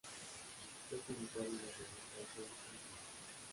Fue publicado en la revista Young Animal.